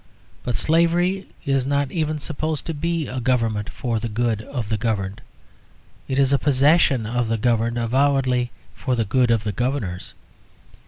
But slavery is not even supposed to be a government for the good of the governed. It is a possession of the governed avowedly for the good of the governors.